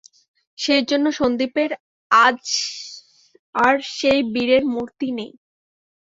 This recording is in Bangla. সেইজন্য সন্দীপের আজ আর সেই বীরের মূর্তি নেই।